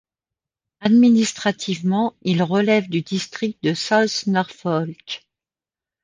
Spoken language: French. Administrativement, il relève du district du South Norfolk.